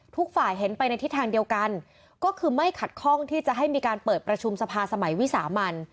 ทุกฝ่ายเห็นไปในทิศทางเดียวกันก็คือไม่ขัดข้องที่จะให้มีการเปิดประชุมสภาสมัยวิสามัน